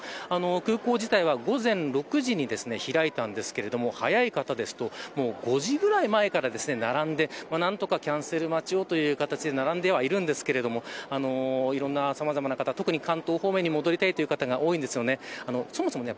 空港自体は午前６時に開いたんですが早い方だと５時ぐらい前から並んで何とかキャンセル待ちを、という形で並んでおりますがさまざまな方、関東方面に戻りたいという方が多いんです。